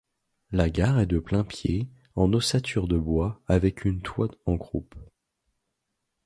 La gare est de plain-pied en ossature de bois avec une toit en croupe.